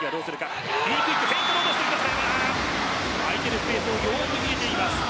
空いているスペースがよく見えています。